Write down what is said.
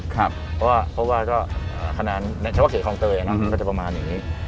เพราะว่าก็คะแนนในเฉพาะเขตคลองเตยมันก็จะประมาณอย่างนี้